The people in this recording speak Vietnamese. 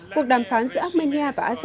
cuộc đàm phán giữa armenia và azerbaijan